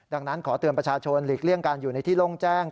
ดังนั้นขอเตือนประชาชนหลีกเลี่ยงการอยู่ในที่โล่งแจ้ง